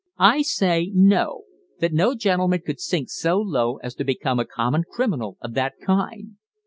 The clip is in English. I say, 'No; that no gentleman could sink so low as to become a common criminal of that kind.'